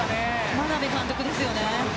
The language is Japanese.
眞鍋監督ですよね。